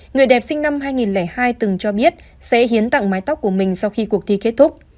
người đẹp sinh năm hai nghìn hai từng cho biết sẽ hiến tặng mái tóc của mình sau khi cuộc thi kết thúc